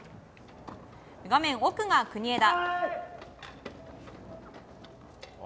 画面奥が国枝。